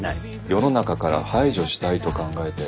世の中から排除したいと考えて。